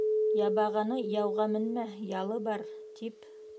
Ябағаны яуға менмә «ялы бар» тип